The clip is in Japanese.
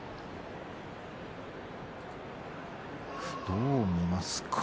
どう見ますか？